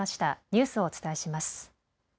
ニュースお伝えします。